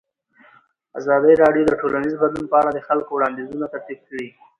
ازادي راډیو د ټولنیز بدلون په اړه د خلکو وړاندیزونه ترتیب کړي.